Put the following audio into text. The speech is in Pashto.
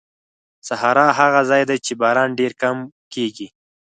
صحرا هغه ځای دی چې باران ډېر کم کېږي.